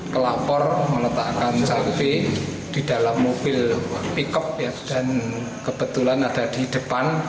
pelapor meletakkan cabai di dalam mobil pickup dan kebetulan ada di depan